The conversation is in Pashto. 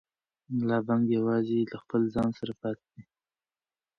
ملا بانګ یوازې له خپل ځان سره پاتې دی.